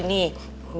misalnya ya ya pergi nih